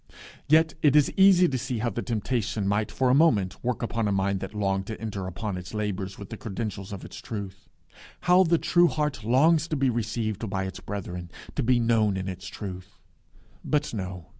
Yet it is easy to see how the temptation might for a moment work upon a mind that longed to enter upon its labours with the credentials of its truth. How the true heart longs to be received by its brethren to be known in its truth! But no.